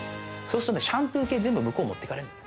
シャンプー系、全部向こう持ってかれるんです。